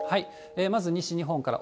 まず西日本から。